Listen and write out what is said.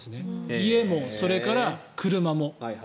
家も、それから車も。